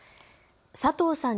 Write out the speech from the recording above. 佐藤さん